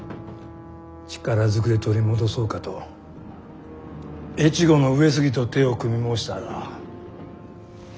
力ずくで取り戻そうかと越後の上杉と手を組み申したが。